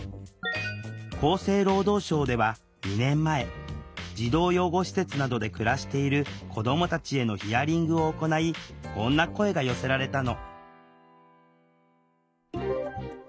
厚生労働省では２年前児童養護施設などで暮らしている子どもたちへのヒアリングを行いこんな声が寄せられたの。